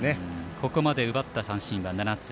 ここまで奪った三振は７つ。